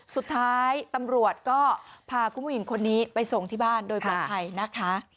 สุดท้ายตำรวจก็พาคุณผู้หญิงคนนี้ไปส่งที่บ้านโดยปลอดภัยนะคะ